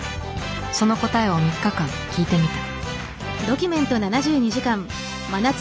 その答えを３日間聞いてみた。